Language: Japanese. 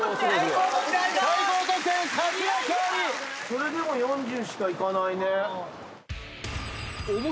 それでも４０しかいかないね。